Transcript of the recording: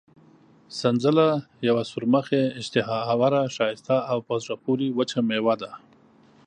سنځله یوه سورمخې، اشتها اوره، ښایسته او په زړه پورې وچه مېوه ده.